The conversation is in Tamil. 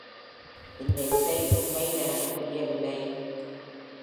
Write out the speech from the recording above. இந்த இசை உண்மையில் எனக்கு புரியவில்லை.